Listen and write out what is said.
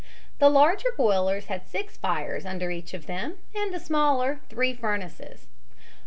The larger boilers had six fires under each of them and the smaller three furnaces.